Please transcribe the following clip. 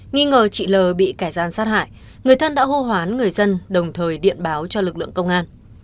nghi ngờ chị l bị kẻ gian sát hại người thân đã hô hoán người dân đồng thời điện báo cho lực lượng công an